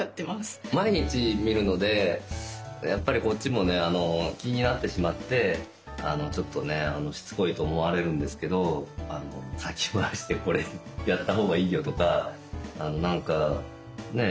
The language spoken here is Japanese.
毎日見るのでやっぱりこっちもね気になってしまってちょっとねしつこいと思われるんですけど先回りして「これやった方がいいよ」とか何かね